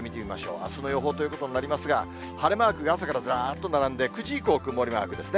あすの予報ということになりますが、晴れマークが朝からずらーっと並んで、９時以降、曇りマークですね。